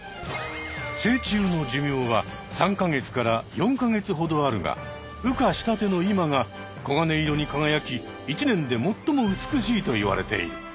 成虫の寿命は３か月から４か月ほどあるが羽化したての今が黄金色に輝き一年で最も美しいといわれている。